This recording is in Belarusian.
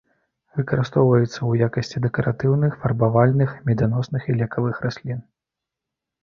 Выкарыстоўваюцца ў якасці дэкаратыўных, фарбавальных, меданосных і лекавых раслін.